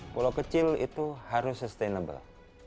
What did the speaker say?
pulau kecil itu harus sustainable